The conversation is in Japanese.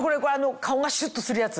顔がシュっとするやつ。